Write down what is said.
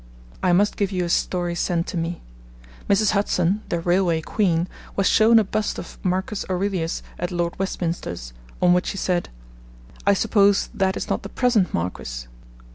I must give you a story sent to me. Mrs. Hudson, the railway queen, was shown a bust of Marcus Aurelius at Lord Westminster's, on which she said, 'I suppose that is not the present Marquis.'